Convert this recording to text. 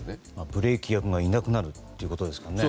ブレーキ役がいなくなるということですからね。